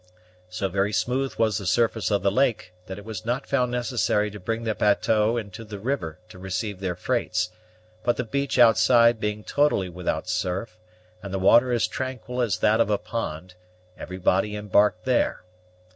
So very smooth was the surface of the lake, that it was not found necessary to bring the bateaux into the river to receive their freights; but the beach outside being totally without surf, and the water as tranquil as that of a pond, everybody embarked there.